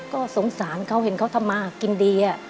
ก็สงสารเขาเห็นเขาทำมากินดี